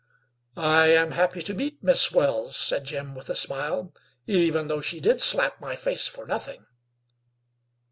"I am happy to meet Miss Wells," said Jim, with a smile, "even though she did slap my face for nothing."